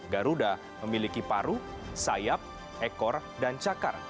garuda memiliki paru sayap ekor dan cakar